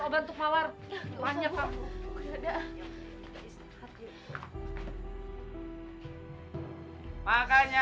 dia cuma temen aku